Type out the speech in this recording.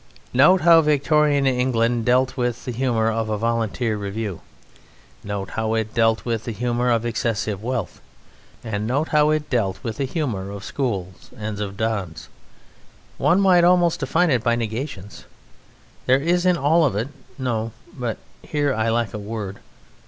Note how Victorian England dealt with the humour of a Volunteer review; note how it dealt with the humour of excessive wealth; and note how it dealt with the humour of schools and of Dons. One might almost define it by negations. There is in all of it no but here I lack a word....